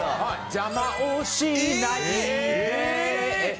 「邪魔をしないで」